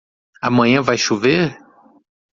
Amanhã vai chover?